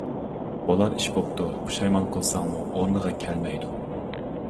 بۇلار ئىش بوپتۇ، پۇشايمان قىلساقمۇ ئورنىغا كەلمەيدۇ.